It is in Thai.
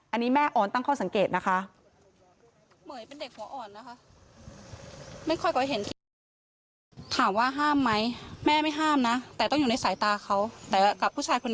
อันนี้แม่ออนตั้งข้อสังเกตนะคะ